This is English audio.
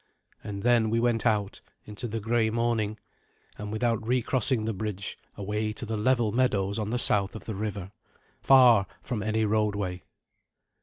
And then we went out into the grey morning, and without recrossing the bridge, away to the level meadows on the south of the river, far from any roadway.